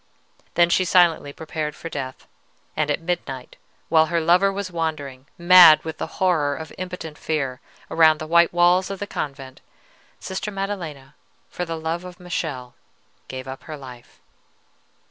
"Then she silently prepared for death; and at midnight, while her lover was wandering, mad with the horror of impotent fear, around the white walls of the convent, Sister Maddelena, for love of Michele, gave up her life.